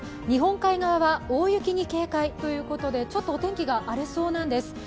日本海側は大雪に警戒ということでちょっとお天気が荒れそうなんです。